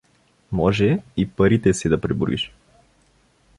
— Може и парите си да преброиш.